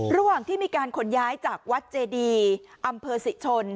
ระหว่างที่มีการขนย้ายจากวัดเจดีอำเภอศรีชน